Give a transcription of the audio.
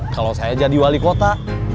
kalau saya jadi wali kota